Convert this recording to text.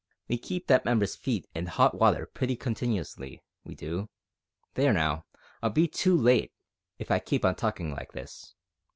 We keep that member's feet in hot water pretty continuously, we do. There now, I'll be too late if I keep on talkin' like this.